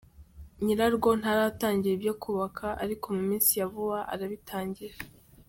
Nyirarwo ntaratangira ibyo kubaka, ariko mu minsi ya vuba arabitangira.